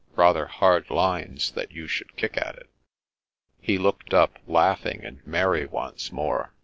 Rather hard lines that you should kick at it." He looked up, laughing and merry once more.